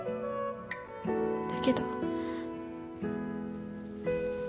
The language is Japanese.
だけど。